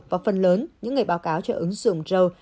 và phần lớn những ngày báo cáo cho ứng dụng joe